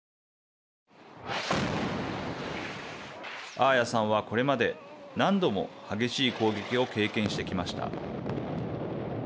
アーヤさんはこれまで何度も激しい攻撃を経験してきました。